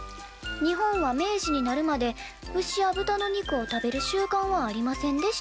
日本は明治になるまで牛や豚の肉を食べる習慣はありませんでした」。